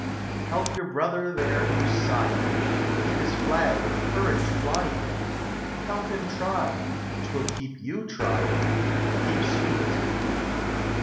Help your brother there who's sighing. Keep his flag of courage flying; Help him try 'twill keep you trying Keep sweet.